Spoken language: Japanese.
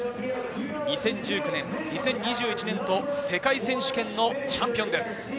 ２０１９年、２０２１年と世界選手権のチャンピオンです。